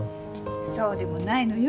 そうでもないのよ。